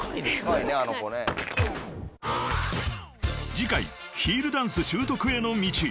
［次回ヒールダンス習得への道］